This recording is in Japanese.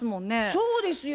そうですよ。